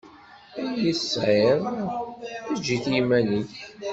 Ayen i tesɛiḍ, eǧǧ-it i yiman-ik.